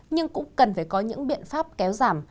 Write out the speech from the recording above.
nhưng cũng cần phải có những biện pháp kéo giảm